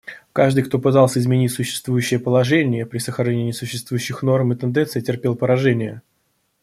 Каждый, кто пытался изменить существующее положение при сохранении существующих норм и тенденций, терпел поражение.